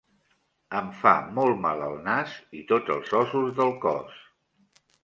Em fa molt mal el nas i tots els ossos del cos.